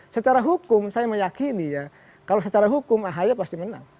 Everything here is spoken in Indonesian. secara hukum saya meyakini ya kalau secara hukum ahi pasti menang